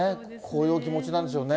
こういうお気持ちなんでしょうね。